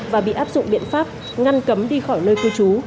và bị áp dụng biện pháp ngăn cấm đi khỏi nơi cư trú